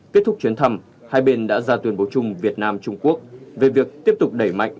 kết thúc chuyến thăm hai bên đã ra tuyên bố chung việt nam trung quốc về việc tiếp tục đẩy mạnh